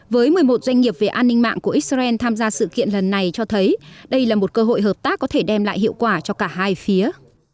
với một mươi một doanh nghiệp về an ninh mạng của israel tham gia sự kiện lần này cho thấy đây là một cơ hội hợp tác có thể đem lại hiệu quả cho cả hai phía